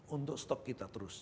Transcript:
untuk stok kita terus